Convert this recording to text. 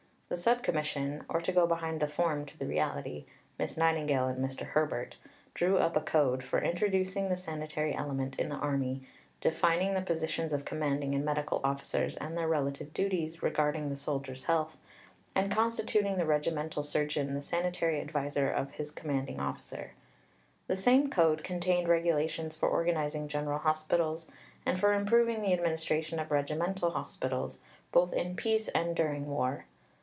The Sub Commission or to go behind the form to the reality, Miss Nightingale and Mr. Herbert drew up a Code for introducing the sanitary element in the Army, defining the positions of Commanding and Medical Officers and their relative duties regarding the soldier's health, and constituting the regimental surgeon the sanitary adviser of his commanding officer. The same code contained regulations for organizing General Hospitals, and for improving the administration of Regimental Hospitals, both in peace and during war.